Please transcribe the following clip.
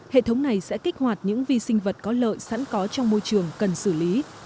hệ thống này sẽ kích hoạt những vi sinh vật có lợi sẵn có trong môi trường cần xử lý